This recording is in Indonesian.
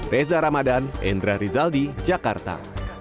reza ramadan endra rizaldi jakarta